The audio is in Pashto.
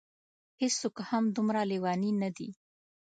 هېڅوک هم دومره لېوني نه دي.